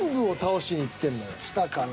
したかな。